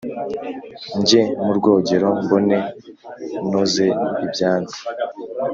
njye murwogero mbone noze ibyansi"